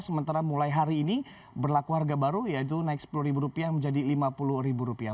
sementara mulai hari ini berlaku harga baru yaitu naik sepuluh ribu rupiah menjadi lima puluh rupiah